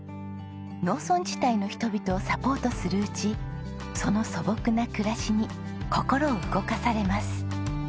農村地帯の人々をサポートするうちその素朴な暮らしに心動かされます。